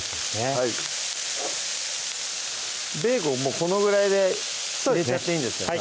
はいベーコンこのぐらいで入れちゃっていいんですね